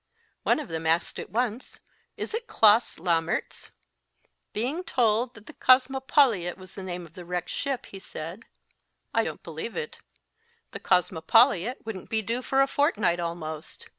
One of them asked at once Is it Klaas Lammerts s ? Being told that the Kosmopoliet was the name of the wrecked ship, he said, * I don t believe it. T 2 276 MY FIRST BOOK The " Kosmopoliet " wouldn t be due for a fortnight, almost.